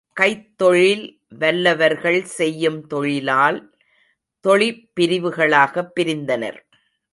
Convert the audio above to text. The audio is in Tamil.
கைத்தொழில் வல்லவர்கள் செய்யும் தொழிலால், தொழிற் பிரிவுகளாகப் பிரிந்தனர்.